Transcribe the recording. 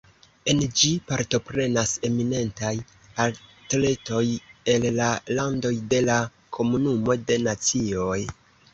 En ĝi partoprenas eminentaj atletoj el la landoj de la Komunumo de Nacioj.